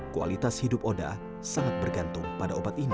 kualitas hidup oda sangat bergantung pada obat ini